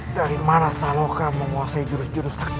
dari mana saloka menguasai jurus jurus sakit itu